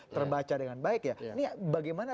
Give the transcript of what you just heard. terbaca dengan baik ya ini bagaimana